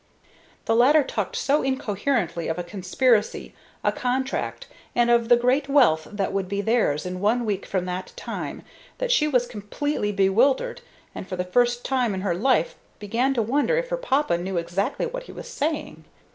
The latter talked so incoherently of a conspiracy, a contract, and of the great wealth that would be theirs in one week from that time, that she was completely bewildered, and for the first time in her life began to wonder if her papa knew exactly what he was saying.